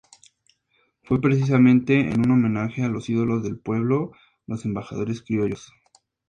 Fue precisamente en un homenaje a los ídolos del pueblo, "Los Embajadores Criollos".